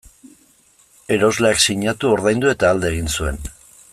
Erosleak sinatu, ordaindu eta alde egin zuen.